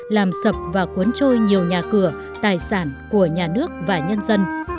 làm sập và cuốn trôi nhiều nhà cửa tài sản của nhà nước và nhân dân